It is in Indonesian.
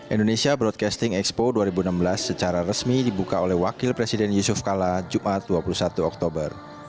indonesia broadcasting expo dua ribu enam belas secara resmi dibuka oleh wakil presiden yusuf kala jumat dua puluh satu oktober